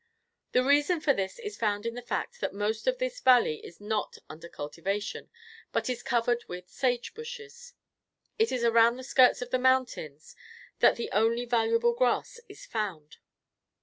The reason for this is found in the fact that most of this valley is not under cultivation, but is covered with sage bushes. It is around the skirts of the mountains, that the only valuable grass is found.